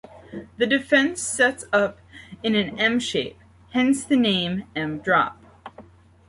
The defense sets up in an M-shape, hence the name "M-Drop".